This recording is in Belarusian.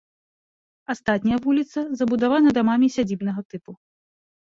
Астатняя вуліца забудавана дамамі сядзібнага тыпу.